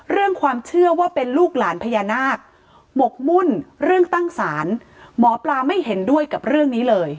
เรื่องความเชื่อว่าเป็นลูกหลานพญานาคหมกมุ่นเรื่องตั้งศาลหมอปลาไม่เห็นด้วยกับเรื่องนี้เลย